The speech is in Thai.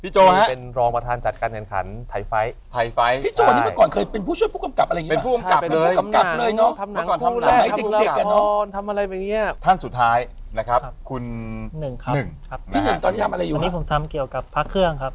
ตอนนี้ผมทำเกี่ยวกับพระเครื่องครับ